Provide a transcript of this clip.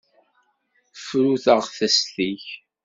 Fru taɣtest-ik.